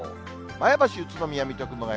前橋、宇都宮、水戸、熊谷。